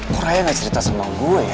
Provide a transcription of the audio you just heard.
gue raya gak cerita sama gue ya